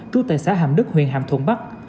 cứu tại xã hàm đức huyện hàm thuận bắc